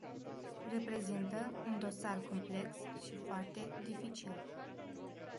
Reprezintă un dosar complex și foarte dificil.